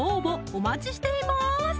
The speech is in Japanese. お待ちしています